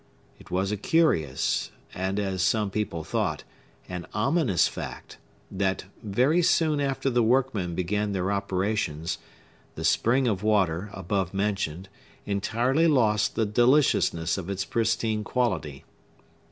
It was a curious, and, as some people thought, an ominous fact, that, very soon after the workmen began their operations, the spring of water, above mentioned, entirely lost the deliciousness of its pristine quality.